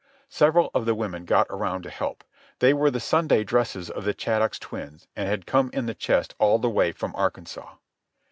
Several of the women got around to help. They were the Sunday dresses of the Chattox twins, and had come in the chest all the way from Arkansas.